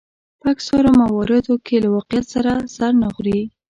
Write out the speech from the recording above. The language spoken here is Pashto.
په اکثرو مواردو کې له واقعیت سره سر نه خوري.